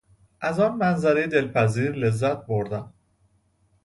از آن منظرهی دلپذیر لذت بردم.